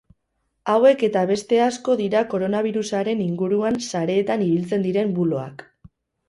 Hauek eta beste asko dira koronabirusaren inguruan sareetan ibiltzen diren buloak.